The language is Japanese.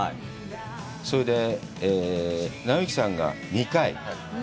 それで、尚之さんが２回。